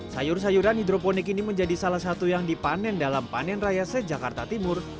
sayur sayuran hidroponik ini menjadi salah satu yang dipanen dalam panen raya sejakarta timur